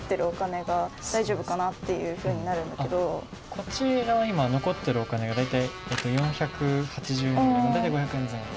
こちら今残っているお金が大体４８０円ぐらい大体５００円前後。